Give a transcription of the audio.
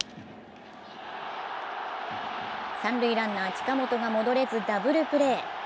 三塁ランナー・近本が戻れずダブルプレー。